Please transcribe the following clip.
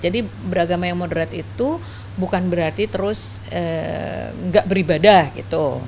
jadi beragama yang moderat itu bukan berarti terus nggak beribadah gitu